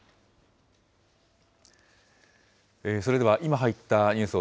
それでは今入ったニュースを